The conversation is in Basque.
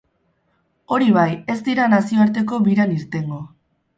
Hori bai, ez dira nazioarteko biran irtengo.